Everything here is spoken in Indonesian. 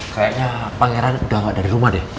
kayaknya pangeran udah gak ada di rumah deh